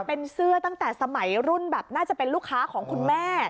เป็นเสื้อตั้งแต่สมัยรุ่นแบบน่าจะเป็นลูกค้าของคุณแม่